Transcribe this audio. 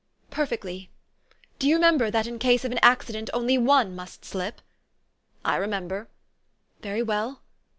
"" Perfectly. Do you remember, that, in case of an accident, only one must slip? "" I remember." " Very well."